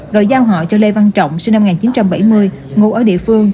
rồi giao họ cho lê văn trọng sinh năm một nghìn chín trăm bảy mươi ngụ ở địa phương